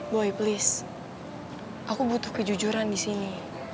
boy please aku butuh kejujuran di sini